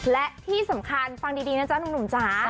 และที่สำคัญฟังดีนะจ๊ะหนุ่มจ๋า